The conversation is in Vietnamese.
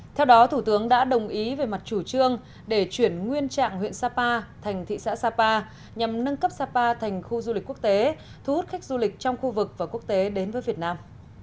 theo đó thủ tướng đã đồng ý về mặt chủ trương để chuyển nguyên trạng huyện sapa thành thị xã sapa nhằm nâng cấp sapa thành khu du lịch quốc tế thu hút khách du lịch trong khu vực và quốc tế đến với việt nam